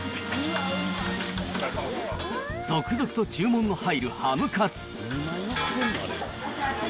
続々と注文の入るハムカツ。